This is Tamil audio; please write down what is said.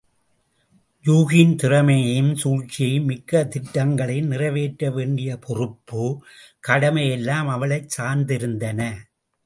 யூகியின் திறமையும் சூழ்ச்சியும் மிக்க திட்டங்களை நிறைவேற்ற வேண்டிய பொறுப்பு, கடமை எல்லாம் அவளைச் சார்ந்திருந்தன.